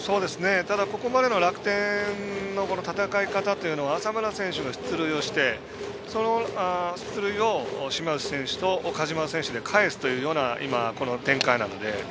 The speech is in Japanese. ここまでの楽天の戦い方というのは浅村選手が出塁をしてその出塁を島内と岡島かえすというような展開なので。